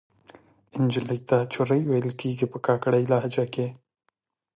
نجلۍ ته چورۍ ویل کیږي په کاکړۍ لهجه کښې